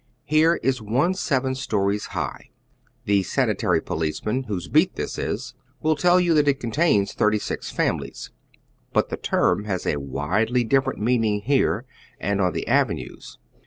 Here is one seven stories high. The sanitary policeman whose beat this is will teli you that it contains thirty six families, but the term has a widely different meaning here and on the avenues.